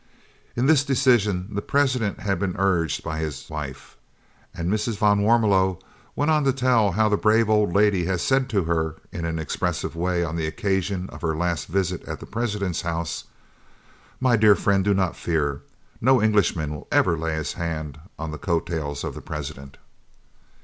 In this decision the President had been urged by his wife, and Mrs. van Warmelo went on to tell how the brave old lady had said to her in an expressive way, on the occasion of her last visit at the President's house: "My dear friend, do not fear. No Englishman will ever lay his hand on the coat tails of the President."